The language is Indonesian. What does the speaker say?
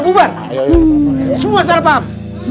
coba semua salah paham